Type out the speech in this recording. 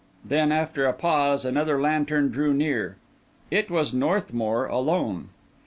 Then, after a pause, another lantern drew near. It was Northmour alone.